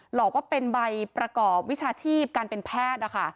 หลอกว่าเป็นใบประกอบวิชาชีพการเป็นแพทย์นะคะ